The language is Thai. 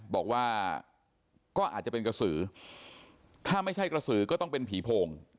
บอกว่าก็อาจจะเป็นกระสือถ้าไม่ใช่กระสือก็ต้องเป็นผีโพง